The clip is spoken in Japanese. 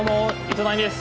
糸谷です。